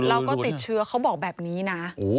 แล้วก็ติดเชื้อเขาบอกแบบนี้นะ